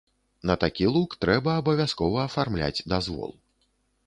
На такі лук трэба абавязкова афармляць дазвол.